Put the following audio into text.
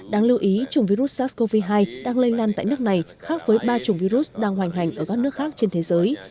đáng lưu ý chủng virus sars cov hai đang lây lan tại nước này khác với ba chủng virus đang hoành hành ở các nước khác trên thế giới